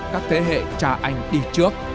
các thế hệ trà ảnh đi trước